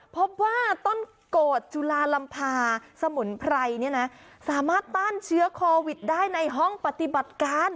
พบว่าต้นโกรธจุลาลำพาสมุนไพรเนี่ยนะสามารถต้านเชื้อโควิดได้ในห้องปฏิบัติการ